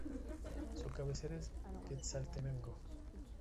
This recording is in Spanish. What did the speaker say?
Su cabecera es Quetzaltenango.